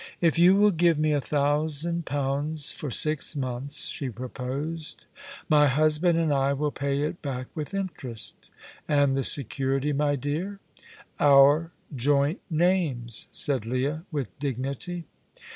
"If you will give me a thousand pounds for six months," she proposed, "my husband and I will pay it back with interest." "And the security, my dear?" "Our joint names," said Leah, with dignity.